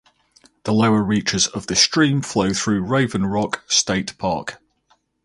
The lower reaches of this stream flow through Raven Rock State Park.